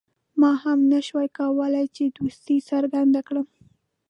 ما هم نه شو کولای چې دوستي څرګنده کړم.